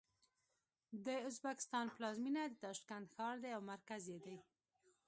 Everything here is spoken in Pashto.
د ازبکستان پلازمېنه د تاشکند ښار دی او مرکز یې دی.